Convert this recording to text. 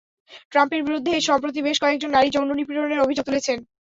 ট্রাম্পের বিরুদ্ধে সম্প্রতি বেশ কয়েকজন নারী যৌন নিপীড়নের অভিযোগ তুলেছেন।